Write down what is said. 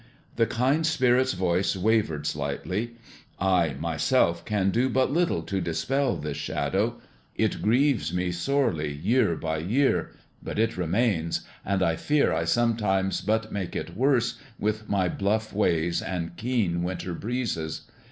The kind Spirit's voice wavered slightly. "I, myself, can do but little to dispel this shadow. It grieves me sorely, year by year, but it remains, and I fear I sometimes but make it worse, with my bluff ways and keen winter breezes.